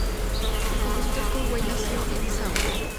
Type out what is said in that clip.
El compositor Kurt Weill nació en Dessau.